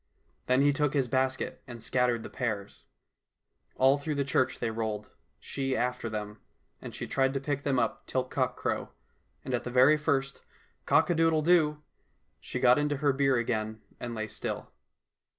Then he took his basket and scattered the pears. All through the church they rolled, she after them, and she tried to pick them up till cockcrow, and at the very first " Cock a doodle doo !" she got into her bier again and lay still.